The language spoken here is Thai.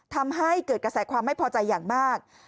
ทำให้เกิดกระแสความไม่พอใจอย่างมาก